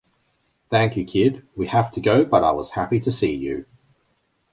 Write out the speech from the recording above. Thank you kid, we have to go but I was happy to see you.